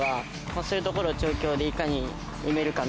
そういうところを調教でいかに埋めるかみたいな。